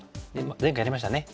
前回やりましたね。